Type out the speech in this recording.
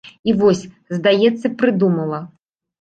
І вось, здаецца, прыдумала.